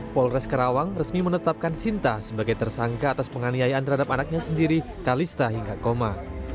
polres karawang resmi menetapkan sinta sebagai tersangka atas penganiayaan terhadap anaknya sendiri kalista hingga koma